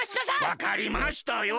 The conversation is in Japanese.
わかりましたよ。